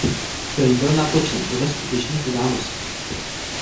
Film byl natočen podle skutečných událostí.